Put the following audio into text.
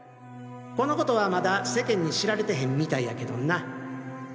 このことはまだ世間に知られてへんみたいやけどな。